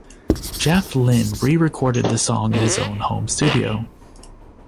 Jeff Lynne re-recorded the song in his own home studio.